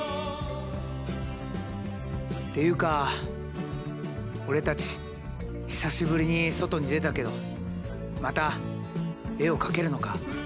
っていうか俺たち久しぶりに外に出たけどまた絵を描けるのか？